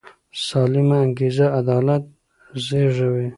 سالمه انګیزه عدالت زېږوي